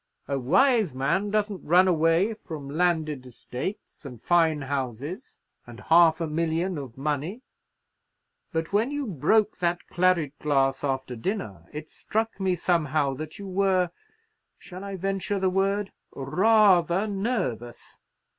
A wise man doesn't run away from landed estates, and fine houses, and half a million of money. But when you broke that claret glass after dinner, it struck me somehow that you were—shall I venture the word?—rather nervous!